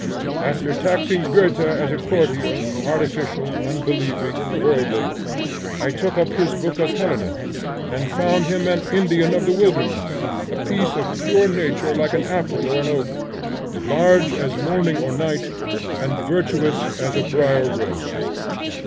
After taxing Goethe as a courtier, artificial, unbelieving, worldly, I took up this book of Helena, and found him an Indian of the wilderness, a piece of pure nature like an apple or an oak, large as morning or night, and virtuous as a brier rose.